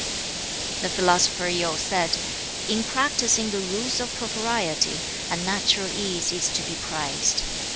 The philosopher Yu said, 'In practising the rules of propriety, a natural ease is to be prized.